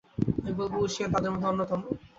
আমি বলবো ঊশিয়ান তাদের মধ্যে অন্যতম।